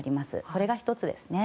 それが１つですね。